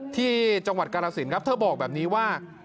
ที่จังหวัดกาลสินครับเธอบอกแบบนี้ว่า